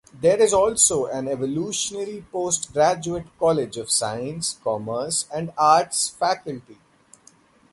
There is also an evolutionary postgraduate college of science, commerce and arts faculty.